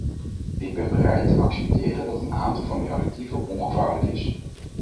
Ik ben bereid te accepteren dat een aantal van die additieven ongevaarlijk is.